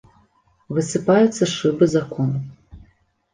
Высыпаюцца шыбы з акон.